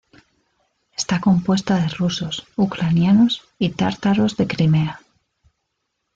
Está compuesta de rusos, ucranianos y tártaros de Crimea.